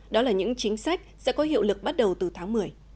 đó là những chính sách sẽ có hiệu lực bắt đầu từ tháng một mươi